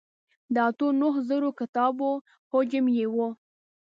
د اتو نهو زرو کتابو حجم یې و.